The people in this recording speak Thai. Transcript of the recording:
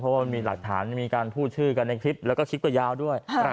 เพราะว่ามันมีหลักฐานมีการพูดชื่อกันในคลิปแล้วก็คลิปก็ยาวด้วย